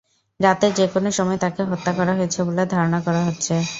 রাতের যেকোনো সময় তাঁকে হত্যা করা হয়েছে বলে ধারণা করা হচ্ছে।